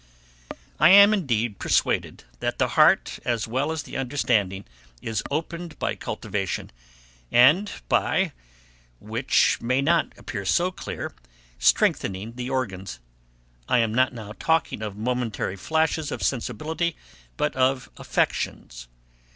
I am, indeed, persuaded that the heart, as well as the understanding, is opened by cultivation; and by, which may not appear so clear, strengthening the organs; I am not now talking of momentary flashes of sensibility, but of affections.